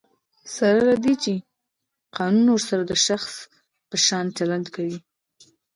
سره له دی، قانون ورسره د شخص په شان چلند کوي.